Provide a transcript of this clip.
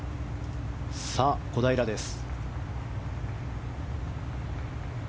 さあ、小平です。